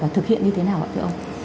và thực hiện như thế nào hả thưa ông